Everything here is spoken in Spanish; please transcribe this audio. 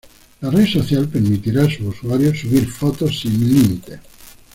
La red social permitía a sus usuarios subir fotos sin límites.